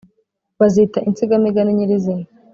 bazita insigamigani nyirizina.